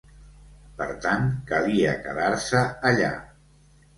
Per tant, calia quedar-se allà